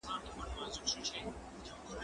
ته ولي قلمان پاکوې